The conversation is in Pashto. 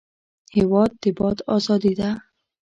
هېواد د باد ازادي ده.